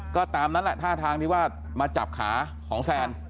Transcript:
ก็ตามนั้นแหละท่าทางที่ว่ามาจับขาของแซน